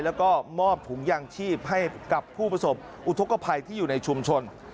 แล้วก็มอบถุงยางชีพให้กับผู้ประสบอุทธกภัยที่อยู่ในชุมชน